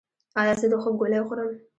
ایا زه د خوب ګولۍ وخورم؟